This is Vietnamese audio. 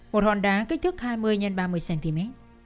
một hòn đá kích thước hai mươi x ba mươi cm